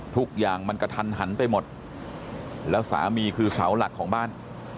ทุกอย่างมันกระทันหันไปหมดแล้วสามีคือเสาหลักของบ้าน